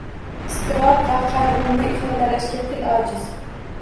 Iztirob va qayg‘umni ifodalashga til ojiz